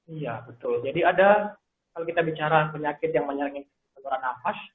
iya betul jadi ada kalau kita bicara penyakit yang menyerang nafas